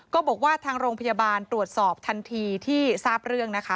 ก็บอกว่าทางโรงพยาบาลตรวจสอบทันทีที่ทราบเรื่องนะคะ